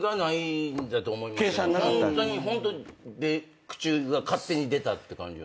ホントに口が勝手に出たって感じよね。